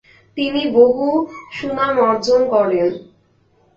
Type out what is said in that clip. তিনি বহু সুনাম অর্জন করেন।